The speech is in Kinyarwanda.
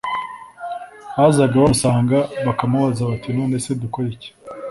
Bazaga bamusanga bakamubaza bati: '' None se dukore iki ?''